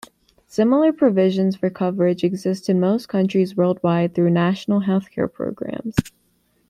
Similar provisions for coverage exist in most countries worldwide through national health care programs.